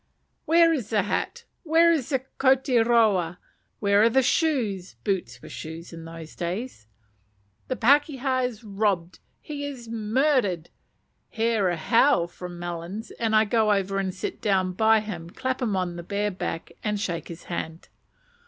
Where is the hat? where the koti roa? where the shoes? (Boots were shoes in those days.) The pakeha is robbed! he is murdered! (Here a howl from Melons, and I go over and sit down by him, clap him on the bare back, and shake his hand.)